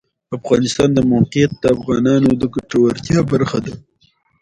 د افغانستان د موقعیت د افغانانو د ګټورتیا برخه ده.